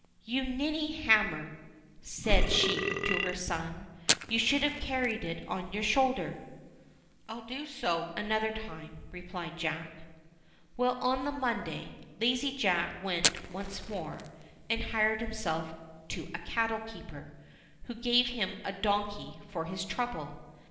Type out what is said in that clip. "You ninney hammer," said she to her son ; "you should have carried it on your shoulder." "I'll do so another time," replied Jack. Well, on the Monday, Lazy Jack went once more, and hired himself to a cattle keeper, who gave him a donkey for his trouble.